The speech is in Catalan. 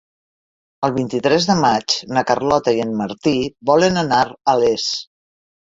El vint-i-tres de maig na Carlota i en Martí volen anar a Les.